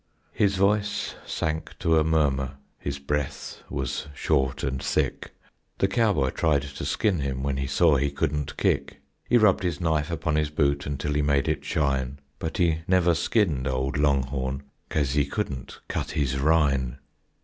His voice sank to a murmur, His breath was short and quick; The cowboy tried to skin him When he saw he couldn't kick; He rubbed his knife upon his boot Until he made it shine, But he never skinned old longhorn, Caze he couldn't cut his rine.